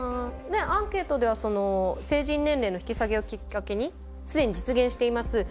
アンケートでは成人年齢の引き下げをきっかけに既に実現しています